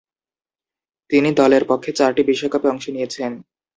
তিনি দলের পক্ষে চারটি বিশ্বকাপে অংশ নিয়েছেন।